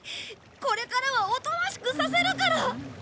これからはおとなしくさせるから！